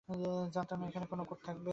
জানতাম না এখানে কোনো কোড থাকবে।